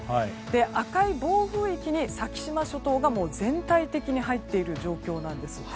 赤い暴風域に先島諸島が全体的に入っている状況です。